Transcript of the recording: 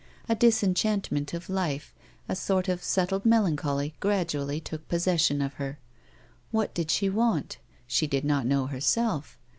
A disenchantment of life, a sort of settled melancholy gradually took possession of her. What did she want ? She did not know herself.